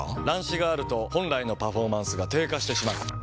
乱視があると本来のパフォーマンスが低下してしまう。